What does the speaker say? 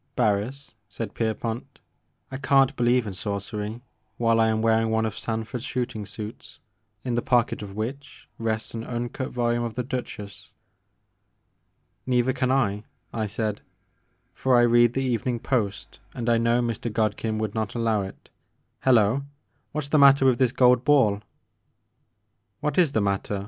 "Barris," said Pierpont, "I can't believe in sorcery while I am wearing one of Sanford's shooting suits in the pocket of which rests an un cut volume of the * Duchess.* " "Neither can I," I said, "for I read the Evening Post, and I know Mr. Godkin would not allow it. Hello I What 's the matter with this gold ball?" " What is the matter ?